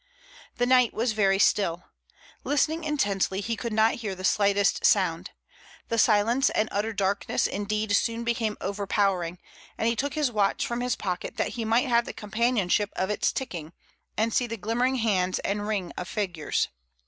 The night was very still. Listening intently, he could not hear the slightest sound. The silence and utter darkness indeed soon became overpowering, and he took his watch from his pocket that he might have the companionship of its ticking and see the glimmering hands and ring of figures.